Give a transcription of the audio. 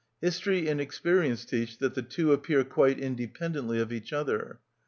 History and experience teach that the two appear quite independently of each other.